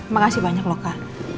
makasih banyak loh kak